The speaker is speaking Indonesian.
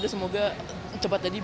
semoga cepat jadi